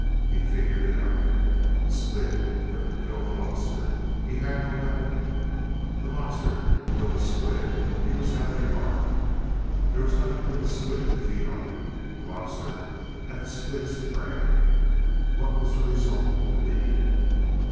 He figured it out. "The squid couldn't kill the lobster—he had no weapon. The lobster could kill the squid—he was heavily armed. There was nothing for the squid to feed on; the lobster had the squid as prey. What was the result to be?